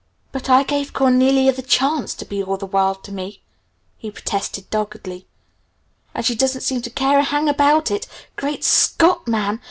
"But I gave Cornelia the chance to be 'all the world' to me," he protested doggedly, "and she didn't seem to care a hang about it! Great Scott, man!